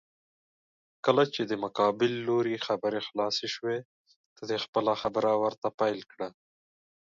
کله چې د مقابل جانب خبرې خلاسې شوې، ته دې خپله خبره ورته پېل کړه.